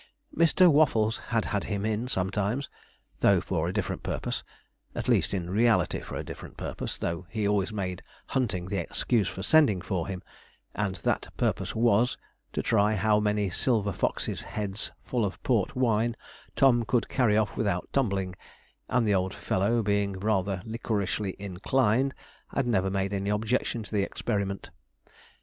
Mr. Waffles had had him in sometimes, though for a different purpose at least, in reality for a different purpose, though he always made hunting the excuse for sending for him, and that purpose was, to try how many silver foxes' heads full of port wine Tom could carry off without tumbling, and the old fellow being rather liquorishly inclined, had never made any objection to the experiment.